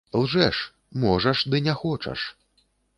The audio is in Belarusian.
Лжэш, можаш, ды не хочаш.